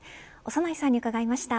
長内さんに伺いました。